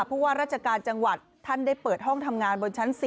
ผู้ว่าราชการจังหวัดท่านได้เปิดห้องทำงานบนชั้น๔